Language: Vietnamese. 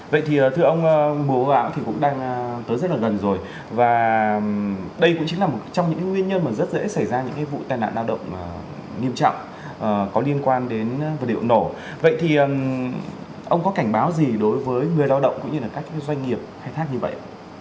vậy thì thưa ông mùa bão thì cũng đang tới rất là gần rồi và đây cũng chính là một trong những nguyên nhân mà rất dễ xảy ra những vụ tai nạn lao động nghiêm trọng có liên quan đến vật liệu nổ vậy thì ông có cảnh báo gì đối với người lao động cũng như là các doanh nghiệp khai thác như vậy